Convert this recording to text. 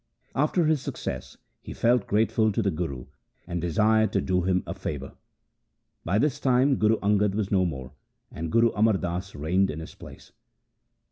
After his success he felt grateful to the Guru and desired to do him a favour. By this time Guru Angad was no more, and Guru Amar Das reigned in his place.